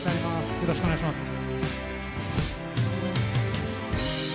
よろしくお願いします。